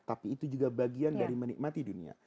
tapi itu juga bagian dari menikmati dunia